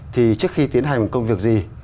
thì trước khi tiến hành một công việc gì